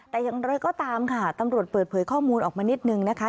แต่อย่างไรก็ตามค่ะตำรวจเปิดเผยข้อมูลออกมานิดนึงนะคะ